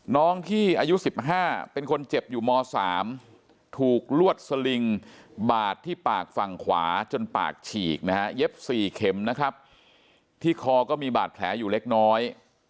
น้องที่อายุ๑๕เป็นคนเจ็บอยู่ม๓ถูกลวดสลิงบาดที่ปากฝั่งขวาจนปากฉีกนะฮะเย็บ๔เข็มนะครับที่คอก็มีบาดแผลอยู่เล็กน้อย